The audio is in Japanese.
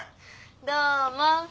どうも。